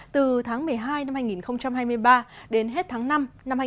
từ tháng một mươi hai năm hai nghìn hai mươi ba đến hết tháng năm năm hai nghìn hai mươi bốn